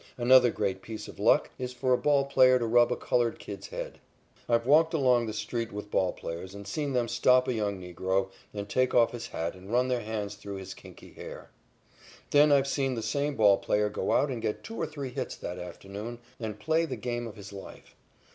Another great piece of luck is for a ball player to rub a colored kid's head. I've walked along the street with ball players and seen them stop a young negro and take off his hat and run their hands through his kinky hair. Then I've seen the same ball player go out and get two or three hits that afternoon and play the game of his life.